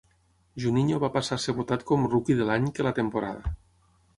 Juninho va passar a ser votat com "Rookie de l'any" que la temporada.